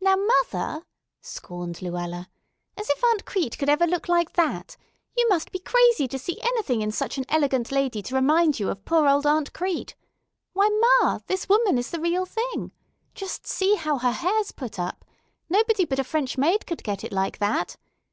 "Now, mother!" scorned Luella. "As if Aunt Crete could ever look like that! You must be crazy to see anything in such an elegant lady to remind you of poor old Aunt Crete. Why, ma, this woman is the real thing! Just see how her hair's put up. Nobody but a French maid could get it like that.